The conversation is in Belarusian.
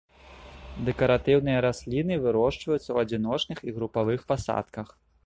Дэкаратыўныя расліны, вырошчваюцца ў адзіночных і групавых пасадках.